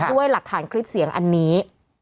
ด้วยหลักฐานคลิปเสียงอันนี้